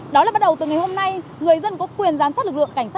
đó là bắt đầu từ ngày hôm nay người dân có quyền giám sát lực lượng cảnh sát